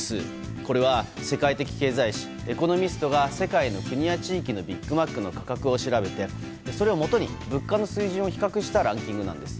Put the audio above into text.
これは世界的経済誌「エコノミスト」が世界の国や地域のビッグマックの価格を調べてそれをもとに物価の水準を比較したランキングです。